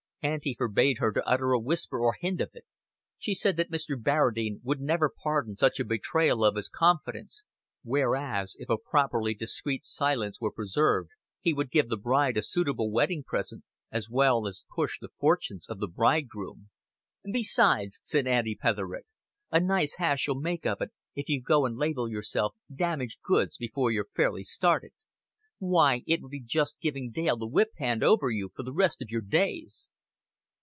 Auntie forbade her to utter a whisper or hint of it; she said that Mr. Barradine would never pardon such a betrayal of his confidence, whereas if a properly discreet silence were preserved he would give the bride a suitable wedding present, as well as push the fortunes of the bridegroom. "Besides," said Aunt Petherick, "a nice hash you'll make of it if you go and label yourself damaged goods before you're fairly started. Why, it would be just giving Dale the whip hand over you for the rest of your days."